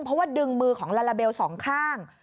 เพราะว่าดึงมือของลาลาเบลสองข้าง